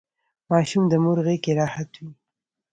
ماشوم د مور غیږکې راحت وي.